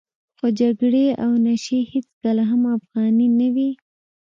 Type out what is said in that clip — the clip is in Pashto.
خو جګړې او نشې هېڅکله هم افغاني نه وې.